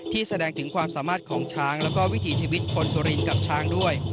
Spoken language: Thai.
แสดงถึงความสามารถของช้างแล้วก็วิถีชีวิตคนสุรินกับช้างด้วย